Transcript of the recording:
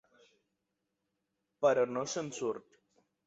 Però no se'n surt.